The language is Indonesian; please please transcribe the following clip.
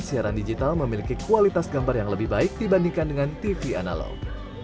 siaran digital memiliki kualitas gambar yang lebih baik dibandingkan dengan tv analog